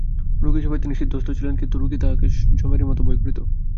রোগীর সেবায় তিনি সিদ্ধহস্ত ছিলেন, কিন্তু রোগী তাঁহাকে যমেরই মতো ভয় করিত।